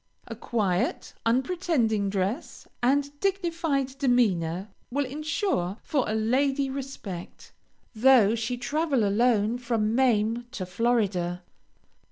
A quiet, unpretending dress, and dignified demeanor, will insure for a lady respect, though she travel alone from Maine to Florida.